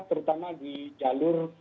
terutama di jalur